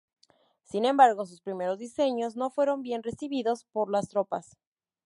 Sin embargo, sus primeros diseños no fueron bien recibidos por las tropas.